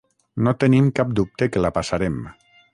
No tenim cap dubte que la passarem.